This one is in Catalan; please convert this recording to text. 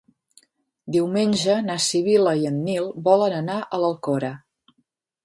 Diumenge na Sibil·la i en Nil volen anar a l'Alcora.